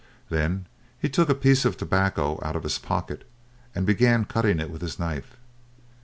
Then he took a piece of tobacco out of his pocket, and began cutting it with his knife.